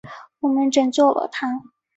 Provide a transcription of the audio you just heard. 我们拯救他了！